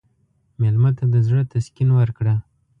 مېلمه ته د زړه تسکین ورکړه.